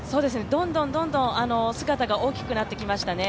どんどん姿が大きくなってきましたね。